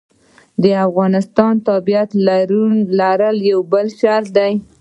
د افغانستان تابعیت لرل یو بل شرط دی.